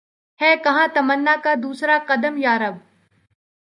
ہے کہاں تمنا کا دوسرا قدم یا رب